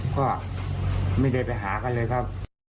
ก็ไม่ได้ไปหากันเลยครับ